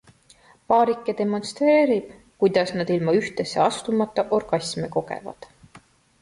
Paarike demonstreerib, kuidas nad ilma ühtesse astumata orgasme kogevad.